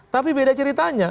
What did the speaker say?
tapi beda ceritanya